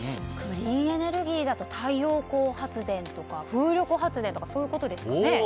クリーンエネルギーだと太陽光発電とか風力発電とかそういうことですかね。